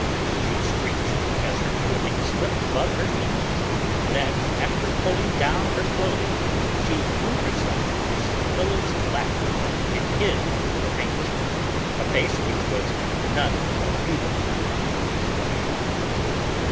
she screeched, as her tunic slipped above her knees; then, after pulling down her clothing, she threw herself into Scintilla's lap, and hid, with her handkerchief, a face which was none the more beautiful for its blushes.